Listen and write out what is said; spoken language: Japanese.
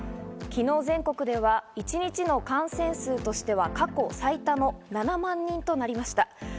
昨日、全国では一日の感染数としては過去最多の７万人となりました。